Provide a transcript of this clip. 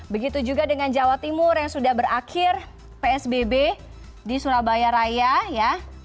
begitu juga dengan jawa timur yang sudah berakhir psbb di surabaya raya ya